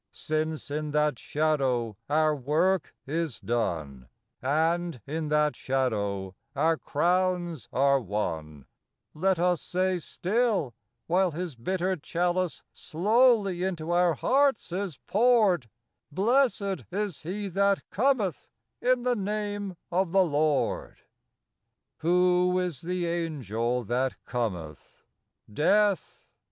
Since in that shadow our work is done, And in that shadow our crowns are won, Let us say still, while his bitter chalice Slowly into our hearts is poured, —" Blessed is he that cometh In the name of the Lord! " IV. Who is the Angel that cometh ? Death!